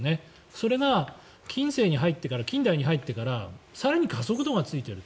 それが近世に入ってから近代に入ってから更に加速度がついている。